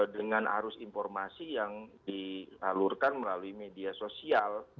dengan arus informasi yang disalurkan melalui media sosial